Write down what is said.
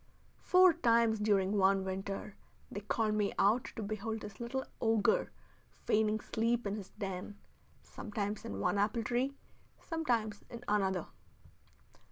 Four times during one winter they called me out to behold this little ogre feigning sleep in his den, sometimes in one apple tree, sometimes in another.